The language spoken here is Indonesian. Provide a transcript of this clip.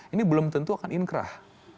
ini belum tentu akan inkrah